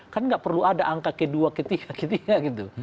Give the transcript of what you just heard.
kan nggak perlu ada angka ke dua ke tiga ke tiga gitu